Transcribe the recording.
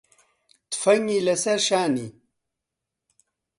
تفەنگی لەسەر شانی